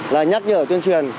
là nhắc nhở tuyên truyền